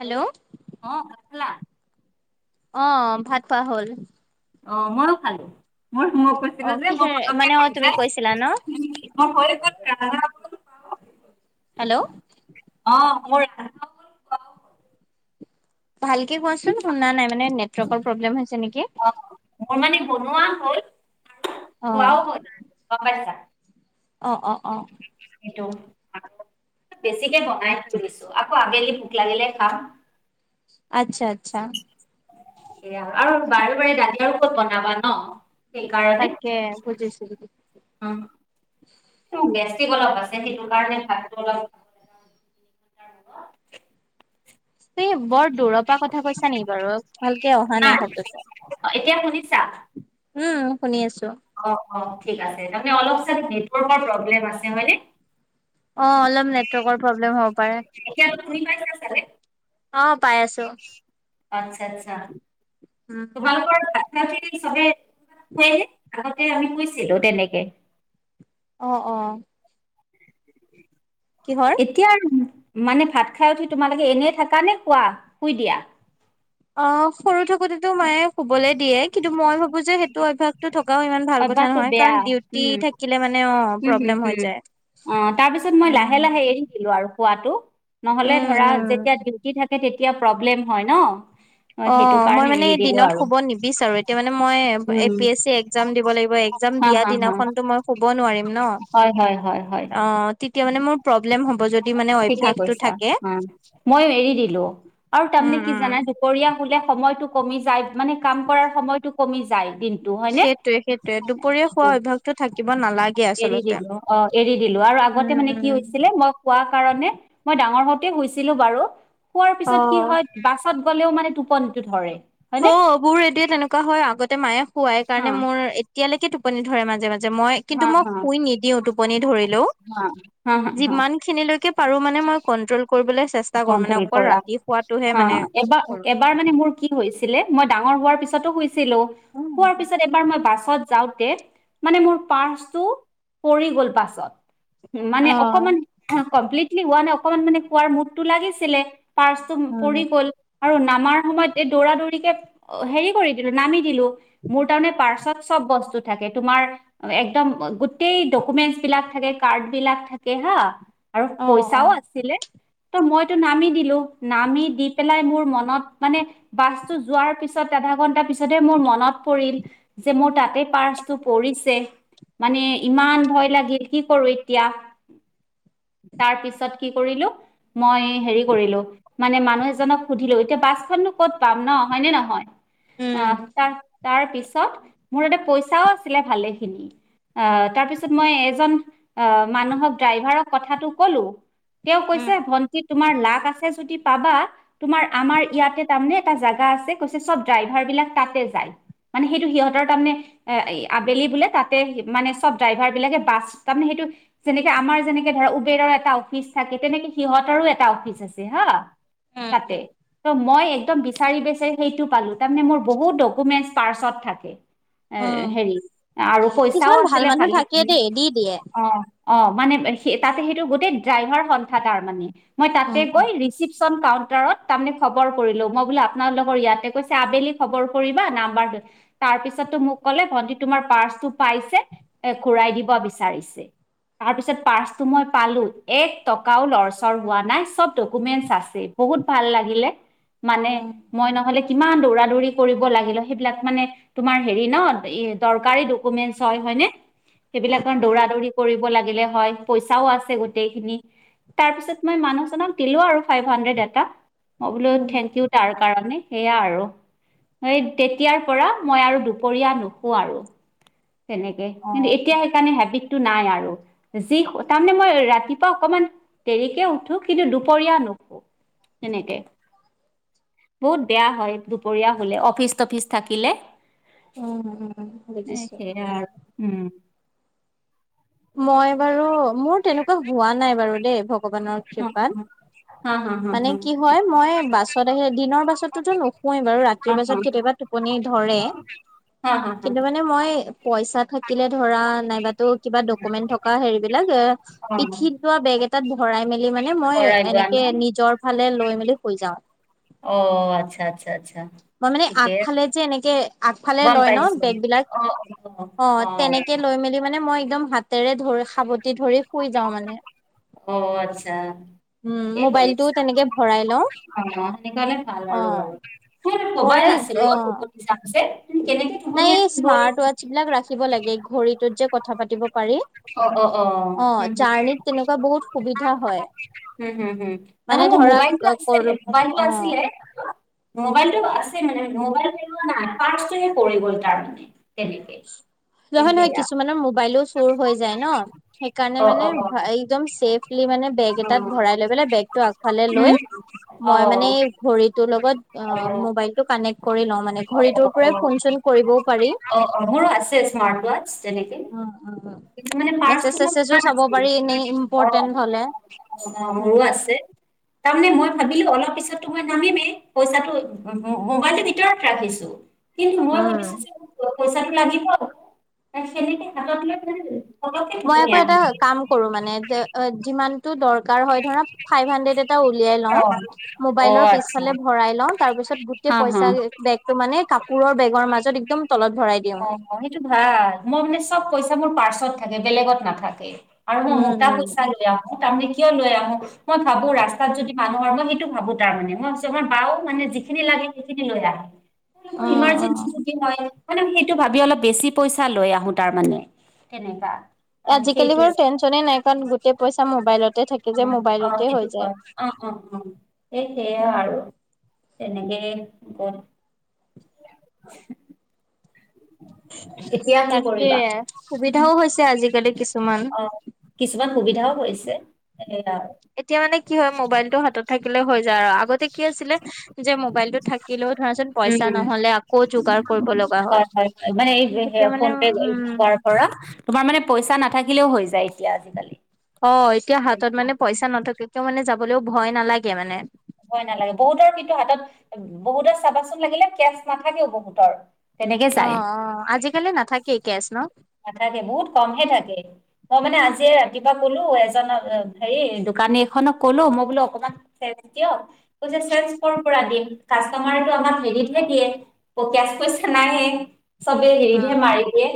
Hello অ ভাত খালা? অ, ভাত খোৱা হ'ল। অ, ময়ো খালো। মোৰ শুক অ কৈছিলো যে মই কিহেৰে মনকে মানে অ তুমি যায় কৈছিলা ন মই হৈ গল ৰাজ হেল্ল' অ মোৰ ৰাধ [unintelligible] ভালকে কোৱাচোন শুনা নাই মানে নেটৱৰ্কৰ প্ৰব্লেম হৈছে নেকি। অ মানে বনোৱা হল অ খোৱাও হল আৰু গম পাইছা। অ', অ', অ [unintelligible] সেইজনীটো অলপ বেছিকে বনাই থৈ দিছোঁ আকৌ আবেলি ভোক লাগিলে খাম। আচ্ছা-আচ্ছা। সেয়া আৰু বাৰে বাৰে দালি আৰু ক'ত বনাবা ন সেইকাৰণে তাকে বুজিছো বুজিছো। অ' শ গেছ [unintelligible] তুমি বৰ দূৰৰ পৰা কথা কৈছা নেকি বাৰু ভালকে অহা নাই শব্দটো এতিয়া শুনিছা উম শুনি আছো অ', অ', ঠিক আছে তাৰমানে অলপ চাগে নেটৱৰ্কৰ প্ৰবলেম আছে হয়নে? অ, অলপ নেটৱৰ্কৰ প্ৰব্লেম হ'ব পাৰে এতিয়াতো শুনি পাইছা চাগে? অ, পাই আছো। আচ্ছা আচ্ছা উম তোমালোকৰ ভাত খাই উঠি আমি চবেই [unintelligible] আগতে আমি কৈছিলোঁ তেনেকে। অ', অ', কিহৰ এতিয় আৰু মানে ভাত খাই উঠি তোমালোকে এনেই থাকা নে শুৱা, শুই দিয়া। অ, সৰু থাকোতেতো মায়ে শুবলে দিয়ে, কিন্তু মই ভাবো যে সেইটো অভ্যাসটো থ [unintelligible] ইমান ভাল কথা নহয় কাৰণ ডিউটি থাকিলে মানে অ', প্ৰব্লেম হম-হম হৈ যায়। অ, তাৰপিছত মই উম, লাহে-লাহে এৰি দিলো আৰু খোৱাটো। নহ'লে ধৰা উম। যেতিয়া ডিউটি থাকে তেতিয়া প্ৰব্লেম হয় ন'। সেইটো অ', মই কাৰণে মানে এৰি দিলোঁ দিনত আৰু। শুব নিবিচাৰো, এতিয়া মানে মই এ উম, পি এছ চি এক্সাম দিব লাগিব একযাম হা, দিয়া হা, হা। দিনাখনতো মই শুব নোৱাৰিম। ন হয়, হয়, হয়, হয়। অ', তেতিয়া মানে মোৰ প্ৰব ঠিকে কৈছা, অ, মই এৰি দিলো আৰু উম, তাৰমানে কি উম, জানাই পৰিয়া হলে সময়টো কমি যায়, মানে কাম কৰাৰ সময়টো কমি যায় দিন টো হয় নে সেইটোয়ে সেইটোয়ে দুপৰীয়া খোৱা টো অভ্যাসটো থাকিব নালাগে এৰি আচলতে। দিলো অ, এৰি দিলো আৰু উম, আগতে মানে কি উম। হৈছিলে মই কোৱা কাৰণে মই ডাঙৰ হওতে শুইছিলো বাৰু, শুৱাৰ পিছত কি অ'। হয় বাছত গ'লেও মানে টোপনিটো ধৰে। হয়নে হ' বোৰ এইদৰে তেনেকুৱা হয়, আগতে মায়ে শুৱাই হা কাৰণে মোৰ এতিয়ালৈকে টোপনি ধৰে মাজে-মাজে। যে মই হা কিন্তু মই হা শুই নিদিও টোপনি ধৰিলেও, হা হা হা যিমান খিনিলৈকে পাৰোঁ মানে মই কণ্ট্ৰল কৰিবলে চে কণ্ট্ৰল কৰা হা কৰো। এবাৰ-এবাৰ মানে মোৰ কি হৈছিলে মই ডাঙৰ হোৱাৰ পিছতো শুইছিলো শুৱাৰ অ', পিছত এবাৰ মই বাচ হত যাওঁতে মানে মোৰ পাৰ্চটো পৰি গল পাছত মানে অ', অকণমান কমপ্লিটলি হোৱা নাই, অকণমান মানে কোৱাৰ মুডটো লাগিছিলে। পাৰ্চটো ম-পৰি গ'ল আৰু নামাৰ সময়ত এই দৌৰা-দৌৰিকে হেৰি কৰি দিলো নামি দিলো। মোৰ তাৰমানে পাৰ্চত চব বস্তু থাকে, তোমাৰ একদম গোটেই ডকুমেন্চ বিলাক থাকে, কাৰ্ড বিলাক থাকে হা আৰু অ', পইচাও অ'। আছিলে ত মইতো নামি দিলো নামি দি পেলাই মোৰ মনত মানে বাছতো যোৱাৰ পিছত ত আধা ঘন্টা পিছতে মোৰ মনত পৰিল, যে মোৰ তাতে পাৰ্চটো পৰিছে। মানে ইমান ভয় লাগিল কি কৰো এতিয়া তাৰ পিছত কি কৰিলো মই হেৰি কৰিলো মানে মানুহ এজনক সুধিলো এতিয়া বাছখননো ক'ত পাম ন' হয়নে নহয়? আহ, উম। তা-তাৰ পিছত মোৰ এটা পইচাও আছিলে ভালে খিনি অ, তাৰপিছত মই এজন অ, মানুহক ড্ৰাইভাৰক কথাটো ক'লো তেওঁ এ উম, ভন্টি তোমাৰ লাক আছে যদি পাবা, তোমাৰ আমাৰ ইয়াতে তামনে এটা জাগা আছে, কৈছে চব ড্ৰাইভাৰ বিলাক তাতে যায়। মানে সেইটো সিহঁতৰ তাৰমানে এ ই আবেলি বোলে তাতে মানে চব ড্ৰাইভাৰ বিলাকে বাছ তাৰমানে সেইটো [unintelligible] যেনেকে আমাৰ যেনেকে ধৰা উবেৰৰ এটা অফিচ থাকে তেনেকে সিহঁতৰো এটা অফিচ আছে হা, উম, তাতে উম, ত মই এ একদম বিচাৰি-বিচাৰি সেইটো পালো, তাৰমানে মোৰ বহুত ডকুমেন্টচ পাৰ্চত থাকে। এৰ উম, হেৰি আৰু পইচাও কিছুমান ভাল আছিলে মানুহ থাকে ভালেখিনি দেই দি দিয়ে। অ, অ, মানে এ সে তাতে সেইটো গোটেই ড্ৰাইভাৰ সন্থা তাৰ মানে। মই তাতে উম, গৈ ৰিচিপশ্যন পাওঁ। তাত তাৰমানে খবৰ কৰিলোঁ, মই বোলোঁ আপোনালোকৰ ইয়াতে কৈছে আবেলি খবৰ কৰিবা, নাম্বাৰ দে তাৰপিছত টোৰ মোক ক'লে, ভন্টি তোমাৰ পাৰ্চটো পাইছে, ঘুৰাই দিব বিচাৰিছে। তাৰ পিছত পাৰ্চটো মই পালো, এক টকা কাও লৰ-চৰ হোৱা নাই, চব ডকুমেন্টচ আছে, বহুত ভাল লাগিলে। মানে, উম, মই নহ'লে কিমান দৌৰা-দৌৰি কৰিব লাগিলে সেইবিলাক মানে তোমাৰ হেৰি ন এ দৰকাৰী ডকুমেন্টচ হয়। হয় নে? সেইবিলাকৰ দৌৰা-দৌৰি কৰিব লাগিলে হয়, পইচাও আছে গোটেই খিনি। তাৰপিছত মই মানুহজনক দিলোঁ আৰু ফ্ৰাইভ হান্দ্ৰেড এটা। মই বোলোঁ উম, থেংকিউ তাৰ কাৰণে। সেয়া আৰু, এই তেতিয়াৰ পৰা মই আৰু দুপৰীয়া নুশু আৰু। তেনেকে, কিন্তু অ', এতিয়া সেইকাৰণে হেবিট টো নাই আৰু যি তাৰমানে মই ৰাতিপুৱা অকমান দেৰিকে উঠো, কিন্তু দুপৰীয়া নু এনেকে। বহুত বেয়া হয় দুপৰীয়া হ'লে অফিচ-তফিচ থাকিলে, উম, উম এ বুজিছোঁ। সেয়া উম। মই বাৰু, মোৰ তেনেকুৱা হোৱা নাই বাৰু দেই ভগৱানৰ কৃপাত। হম হু হু। মানে কি হয়, মই বাছত আহি দিনৰ বাছত টোতো নুশোৱেই বাৰু ৰাতিৰ হা হা বাছত কেতিয়াবা টোপনি ধৰে। হা হা তে কিন্তু মানে মই পইচা থাকিলে ধৰা, নাইবাতো কিবা ডকুমেন্ট থকা হেৰিবিলাক এ হা হা। পিঠিত লোৱা বেগ এটাত ভৰাই মেলি মানে অ মই চৰাই যোৱা এনেকে ন নিজৰ ফালে লৈ মেলি শুই যাওঁ। অ আচ্ছা আচ্ছা আচ্ছা মই মানে ঠিকে আছে, আগফালে যে এনেকে আগফালে গম লয় ন পাইছো বেগ বিলাক অ' তেনেকে লৈ মেলি মানে মই একদম হাতেৰে ধৰি, সাৱটি ধৰি শুই যাওঁ মানে। অ' আচ্ছা। উম কি মোবাইলটোও কৰিছা? তেনেকে ভৰাই লওঁ অ, সেনেকে ল'লে ভাল অ আৰু বাৰু [unintelligible] মই কবাই মানে আছিলো অ [unintelligible] নাই এই স্মাৰ্ট ৱাটচ বিলাক ৰাখিব লাগে, ঘড়ীটোত যে কথা পাতিব পাৰি। অ অ অ অ', উম হম জাৰ্ণিত তেনেকুৱা বহুত সুবিধা হয়। উম, হম, হম মানে নহয় মোৰ ধৰা মোবাইলটো আছে, কৰ মোবাইলটো অ আছিলে। মোবাইলটো আছে, মানে মোবাইল পেলোৱা নাই পাৰ্চটোহে পৰি গ'ল তাৰমানে তেনেকে। নহয়, নহয়। সেয়া, কিছুমানৰ মোবাইলো চোৰ হৈ যায় ন। সেইকাৰণে অ', মানে অ', অ', একদম চেফলি মানে বেগ উম, এটাত ভৰাই লৈ পেলাই বেগটো আগফালে লৈ মই মানে অ'। ঘড়ীটোৰ লগত অ' মোবাইলতটো কানেক্ট কৰি লওঁ, মানে ঘড়ীটোৰ পৰাই অ', ফোন চোন কৰিবও পাৰি। অ', অ মোৰো আছে স্মাৰট ৱাটচ আছে নেকি? উম উম কিছুমানে পাটচ মেছেজ চেছেজো চাব পাৰি এনে অ' ইম্পৰ্টেন্ট হলে অ' মোৰো আছে। তাৰমানে মই ভাবিলোঁ অলপ পিছতো মই নামিমেই পইচাটো মোবাইলটোৰ ভিতৰত ৰাখিছোঁ। কিন্তু মই উম ভাবিছোঁ যে পইচাটো লাগিব। সেনেকে হাতত লৈ [unintelligible] মই আকৌ এটা আহি গল। কাম কৰোঁ মানে যিমান তোৰ দৰকাৰ হয় ধৰা ফ্ৰাইভ হাণ্ডেট এটা উলিয়াই লওঁ। অ অ মোবাইলৰ আচ্ছা। পিছফালে ভৰাই লওঁ। তাৰ পিছত গোটেই হা হা পইচা বেগতটো মানে কাপোৰৰ বেগৰ মাজত একদম তলত ভৰাই দিওঁ। অ' অ' সেইটো ভাল, মই মানে চ'ব পইচা বোৰৰ পাৰ্চ চ'ব থাকে বেলেগত নাথাকে আৰু মই উম মোটা উম। পইচা উলিয়াও আহ তাৰ কিয় লৈ আহোঁ। মই ভাবোঁ ৰাস্তাত যদি মানুহৰ মই সেইটো ভাবোঁ তাৰ মানে মই ভাবিছোঁ, আমাৰ বাওঁ মানে যিখিনি লাগে সেই এইকেইদিন লয় আহ মোৰ অ', ইমাঞ্চেছি অ', চুটি নাই। মানে সেইটো ভাবি অলপ বেছি পইচা লৈ আহোঁ তাৰ মানে তেনেকা। অ আজিকালি সেইটো বাৰু টেনচনে নাই কাৰণ গোটেই পইচা মোবাইলতে থাকে। যে উম, মোবাইলতে অ' হৈ সেইটো যায়। হয় অ' অ' অ' সেই সেয়া উম। আৰু তেনেকেই ক'ত তাকে, কৰিবা সুবিধাও হৈছে আজিকালি। কিছুমান। অ' কিছুমান সুবিধাও কৰিছে এয়াৰ। এতিয়া মানে কি হয় মোবাইলতটো হাতত থাকিলে হৈ যায় আৰু আগতে কি আছিলে যে মোবাইলতটো থাকিলেও ধৰা উম, হয়, হয়, মানে এই তেতিয়া মানে ফোন পে উম হোৱাৰ ফলত ধৰা তোমাৰ মানে পইচা নাথাকিলেও হৈ যায়। এতিয়া, আজিকালি অ' এতিয়া হাতত মানে পইচা নথাকাকেও মানে যাবলৈও ভয় নালাগে মানে। ভয় নালাগে, বহুতৰ কিন্তু হাতত বহুতৰ চাবাচোন লাগিলে কেচ নাথাকেও বহুতৰ তেনেকে যায় অ' অ' আজিকালি নাথাকে কেচ ন। নাথাকে বহুত কমহে থাকে, মই মানে আজি ৰাতিপুৱা কলোঁ এজন হেৰি দোকান এইখনক ক'লো মই বোলোঁ অকমান চেঞ্চ দিয়ক, কৈছে চেঞ্চ ক'ৰপৰা দিম। কাষ্টটমাৰেটো আমাক ক্ৰেডিতহে দিয়ে পকে কেচ পইচা নায়েই। চবে ক্ৰেডিটে উম, হেৰি মাৰি দিয়ে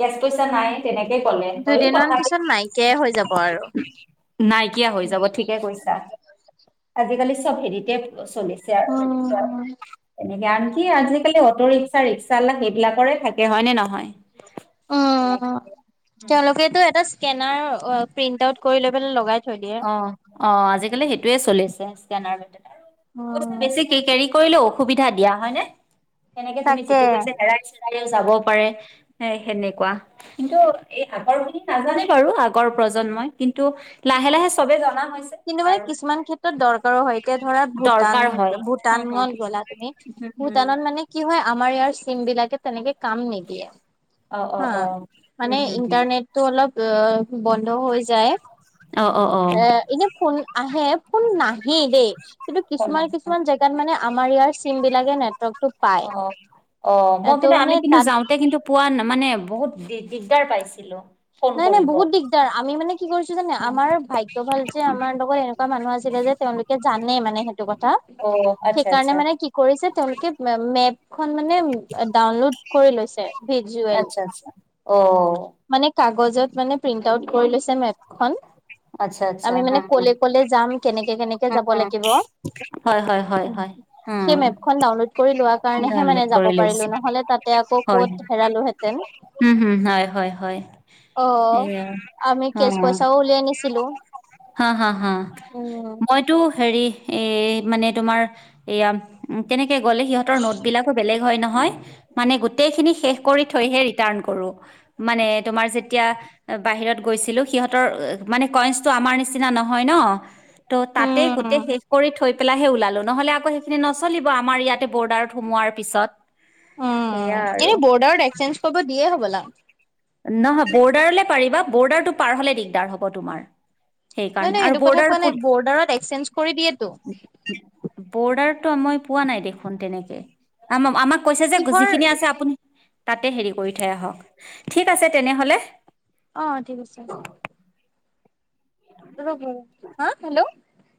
কেচ পইচা নাই তেনেকে ক'লে হৈয়ো দুইদিনমান কথাটো। পিছত নাইকিয়াই হৈ যাব আৰু। নাইকিয়া হৈ যাব, ঠিকে কৈছা। আজিকালি চ'ব হেৰিটে চলিছে আৰু উম, তেনেকে আনকি আজিকালি অটো ৰিক্সা এটা ৰিক্সাৱালাৰ সেইবিলাকৰে থাকে হয় নে নহয়। তেনেকে অহ' তেওঁ লোকেটো এটা স্কেনাৰ অ' প্ৰিন্ট আউট কৰি লৈ পেলায় লগাই থৈ দিয়ে। অ' অ' আজিকালি সেইটোৱে চলিছে স্কেনাৰ। উম, পইচা বেছি কেৰি কৰিলেও অসুবিধা দিয়া হয় নে কেনেকে তুমি তাকে। যিটো পইচা হেৰাইছে। ডাৰেক্ট যাব পাৰে, সেই সেনেকুৱা কিন্তু আগৰ বোৰে নাজানে বাৰু আগৰ প্ৰজন্মই, কিন্তু লাহে লাহে চবে জনা হৈছে কিন্তু মানে আৰু কিছুমান ক্ষেত্ৰত দৰকাৰো হয়। এতিয়া ধৰা ভূটান দৰকাৰ হয়। হম, হম, ভূটানত গ'লা তুমি হম, হম। ভূটানত মানে কি হয়, আমাৰ ইয়াৰ চিম বিলাকে তেনেকে কাম নিদিয়ে। অ অ হা অ উম মানে হম হম ইণ্টাৰনেট টো অলপ। অ' বন্ধ হৈ যায়, অ অ অ এ এনে ফোন আহে, ফোন নাহেই দেই, কিন্তু এখন কিছুমান নাহে ন? কিছুমান জেগাত মানে আমাৰ ইয়াৰ চিম বিলাকে নেটৱৰ্ক অ অ মই কিন্তু মানে আমি কিন্তু তাত যাওঁতে কিন্তু পোৱা মানে বহুত দি দিগদাৰ পাইছিলোঁ। নাই নাই বহুত দিগদাৰ, আমি মানে কি কৰিছোঁ জানে, আমাৰ ভাগ্য ভাল যে আমাৰ লগত এটা মানুহ আছিল। ছিলা যে তেওঁলোকে জানে মানে সেইটো কথা অ আচ্ছা সেইকাৰণে আচ্ছা মানে কি কৰিছে তেওঁলোকে মে মেপ খনমানে ডাউনলোড কৰি লৈছে ভিজুৱেল আচ্ছা আচ্ছা অ মানে কাগজত মানে প্ৰিন্ট আউট কৰি লৈছে। টে মেপ খন আচ্ছা আচ্ছা আমি হা মানে কলৈ কলৈ যাম কেনেকে। কে কেনেকে যাব হা লাগিব হা হা হয় হয় হয় উম হয় অ সেই মেপখন ডাউনলোড কৰি লোৱাৰ কাৰণেহে ডাউনলোড মানে যাব কৰি লৈছো পাৰিলো নহলে তাতে আকৌ হয় ক'ত হেৰালোহেঁতেন উম, হ'ম, হয়, হয়, হয় অ সেই অ' আমি কেচ পইচাও উলিয়াই নিছিলো। হা হা হা উম মইতো হেৰি এ মানে তোমাৰ এয়া কেনেকে গ'লে সিহঁতৰ নোট বিলাকো বেলেগ হয় নহয় মানে গোটেই খিনি শেষ কৰি থৈহে ৰিটাৰ্ণ কৰো মানে তোমাৰ যেতিয়া বাহিৰত গৈছিলোঁ সিহঁতৰ মানে কলেজটো আমাৰ নিচিনা নহয় ন'। তো তাতেই গোটেই উম শেষ কৰি থৈয় পেলাইহে ওলালো নহ'লে আকৌ সেইখিনি নচলিব আমাৰ ইয়াতে বৰ্ডাৰত সোমোৱাৰ পিছত। উম, সেয়া আৰু কিন্তু বৰ্ডাৰত এক্সচেঞ্জ কৰিব দিয়ে হ'বলা। নহয় বৰ্ডাৰলে পাৰিবা বৰ্ডাৰটো পাৰ হ'লে দিগদাৰ হ'ব তোমাৰ। নহয় সেইকাৰণে নহয় আৰু সেইটো কথা বৰ্ডাৰ কোৱা প নাই বৰ্ডাৰত এক্সচেঞ্জ কৰি দিয়েতো। বৰ্ডাৰ। টো মই পোৱা নাই দেখোন তেনেকে আম আমাক কৈছে যে কিহৰ যিখিনি আছে আপুনি তাতে হেৰি কৰি থৈ আহক, ঠিক আছে তেনেহ'লে। অ', ঠিক আছে। ৰ'ব হা হেল্ল'